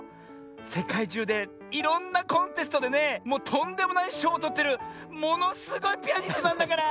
せかいじゅうでいろんなコンテストでねもうとんでもないしょうをとってるものすごいピアニストなんだから！